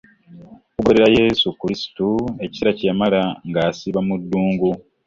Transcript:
Okugoberera Yezu Kristo ekiseera kye yamala ng'asiiba mu ddungu